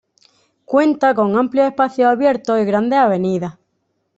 Cuenta con amplios espacios abiertos y grandes avenidas.